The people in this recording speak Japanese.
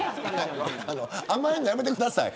甘えるのやめてください。